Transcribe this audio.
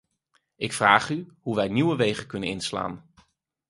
Ik vraag u, hoe wij nieuwe wegen kunnen inslaan?